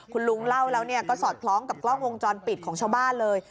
คุณลุงเล่าแล้วก็สอดคล้องกับกล้องวงจรปิดของชาวบ้านเลย